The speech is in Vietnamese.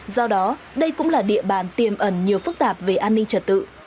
do đó đây cũng là địa bàn tiềm ẩn nhiều phức tạp về an ninh trật tự